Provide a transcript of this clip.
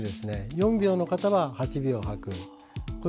４秒の方は８秒吐くと。